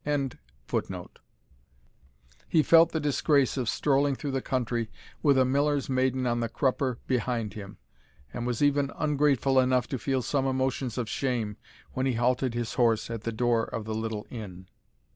] He felt the disgrace of strolling through the country with a miller's maiden on the crupper behind him, and was even ungrateful enough to feel some emotions of shame, when he halted his horse at the door of the little inn.